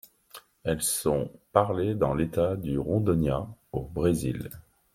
Elles sont parlées dans l'État du Rondônia, au Brésil.